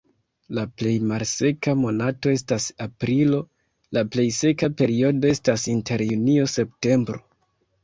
La plej malseka monato estas aprilo, la plej seka periodo estas inter junio-septembro.